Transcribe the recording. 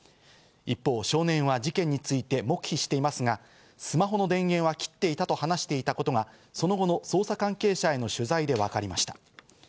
一方、少年は事件について黙秘していますが、スマホの電源は切っていたと話していたことがその後の捜査関係者への取材でわかりました。